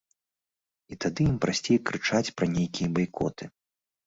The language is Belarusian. І тады ім прасцей крычаць пра нейкія байкоты.